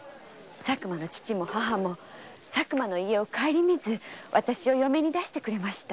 佐久間の父も母も佐久間の家を省みず私を嫁に出してくれました。